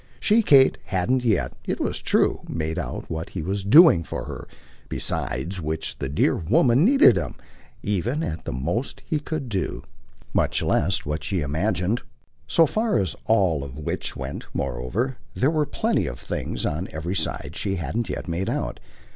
She, Kate, hadn't yet, it was true, made out what he was doing for her besides which the dear woman needed him, even at the most he could do, much less than she imagined; so far as all of which went, moreover, there were plenty of things on every side she hadn't yet made out.